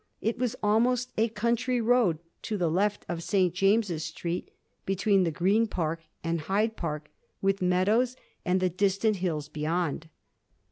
It was almost a country road to the left of St. James's Street, between the Green Park and Hyde Park, with meadows and the distant hills beyond.